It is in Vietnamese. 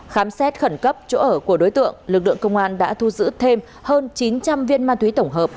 khám xét khẩn cấp chỗ ở của đối tượng lực lượng công an đã thu giữ thêm hơn chín trăm linh viên ma túy tổng hợp